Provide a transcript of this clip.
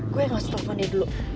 gue ga usah telfon dia dulu